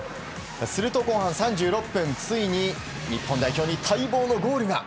すると後半３６分、ついに日本代表に待望のゴールが。